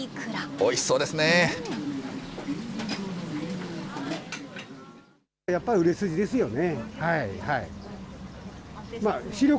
おいしそうですね。